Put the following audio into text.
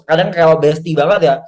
kadang kayak besti banget ya